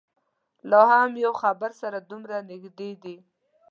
لا هم یو بل سره دومره نږدې دي.